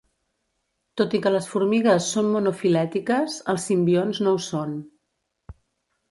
Tot i que les formigues són monofilètiques, els simbionts no ho són.